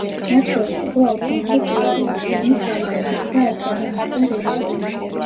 მათ შორის იყო ალფონსო კუარონი, ფილმის ჰარი პოტერი და აზკაბანის ტყვე რეჟისორი.